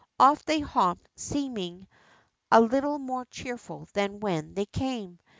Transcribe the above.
Off they hopped, seeming a little more cheerful than when they came.